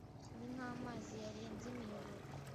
ni nk’amazi yarenze imiyoboro.